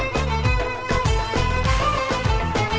terima kasih ya pemirsa